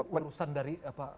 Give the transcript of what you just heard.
berurusan dari apa